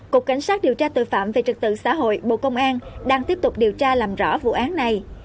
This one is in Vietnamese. cục cảnh sát điều tra tội phạm về trật tự xã hội bộ công an đang tiếp tục điều tra làm rõ vụ án này